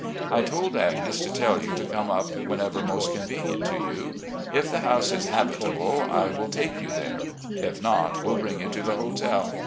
I told Agnes to tell you to come up whenever most convenient to you. If the house is habitable I will take you there. If not, will bring you to the hotel.